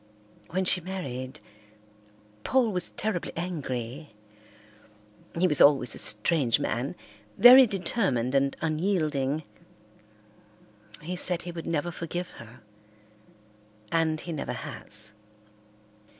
When she married, Paul was terribly angry. He was always a strange man, very determined and unyielding. He said he would never forgive her, and he never has.